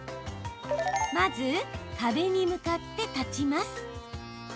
まず、壁に向かって立ちます。